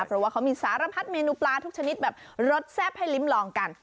เพราะว่าเขามีสารพัดเมนูปลาทุกชนิดแบบรสแซ่บให้ลิ้มลองกัน